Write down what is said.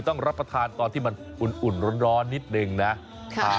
ต้องรับประทานตอนที่มันอุ่นร้อนนิดหนึ่งนะค่ะ